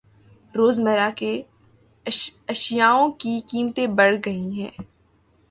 روز مرہ کے اشیاوں کی قیمتیں بڑھ گئ ہے۔